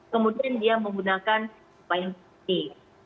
kemudian dia menggunakan upaya yang penting